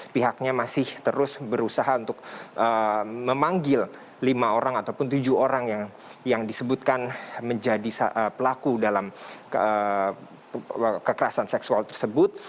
pihaknya masih terus berusaha untuk memanggil lima orang ataupun tujuh orang yang disebutkan menjadi pelaku dalam kekerasan seksual tersebut